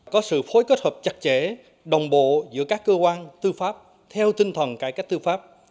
có sự phối kết hợp chặt chẽ đồng bộ giữa các cơ quan tư pháp theo tinh thần cải cách tư pháp